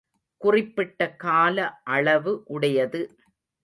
குறிப்பிட்ட கால அளவு உடையது.